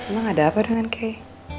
emang ada apa dengan kiai